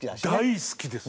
大好きです！